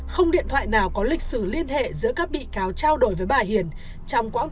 không điện thoại nào có lịch sử